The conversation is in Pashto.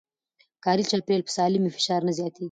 کاري چاپېريال چې سالم وي، فشار نه زياتېږي.